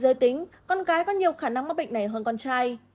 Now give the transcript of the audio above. giới tính con gái có nhiều khả năng mắc bệnh này hơn con trai